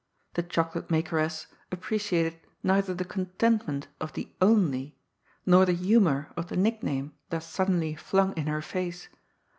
The chocolate makeress appreciated neither the content ment of the " only," nor the humour of the nickname thus suddenly flung in her face.